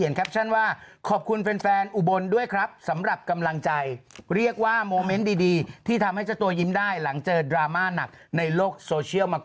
อีบ้าเอาไฟลงลายมือให้ทั้งนะครับ